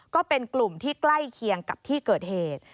ก็เป็นกลุ่มที่ใกล้เคียงกับที่เกิดเหตุ